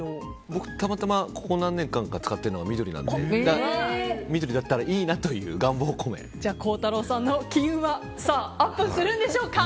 僕、たまたまここ何年間か使っているのが緑なので緑だったらいいなという孝太郎さんの金運はさあアップするんでしょうか。